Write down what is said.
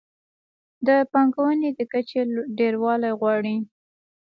د پانګونې د کچې ډېروالی غواړي.